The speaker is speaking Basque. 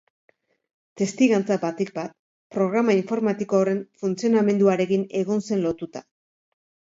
Testigantza, batik bat, programa informatiko horren funtzionamenduarekin egon zen lotuta.